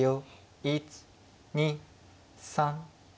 １２３。